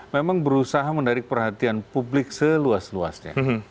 memang berusaha menarik perhatian publik seluas luasnya